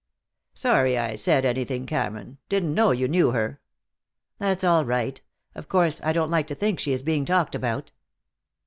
"Sorry I said anything, Cameron. Didn't know you knew her." "That's all right. Of course I don't like to think she is being talked about."